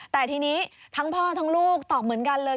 แต่ทีนี้ทั้งพ่อทั้งลูกตอบเหมือนกันเลย